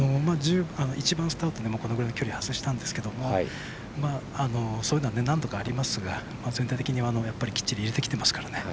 １番スタートでもこれぐらいの距離外したんですけどそういうのは何度かありますが全体的に、きっちり入れてきていますから。